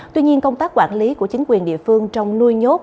tuy nhiên công tác quản lý của chính quyền địa phương trong nuôi nhốt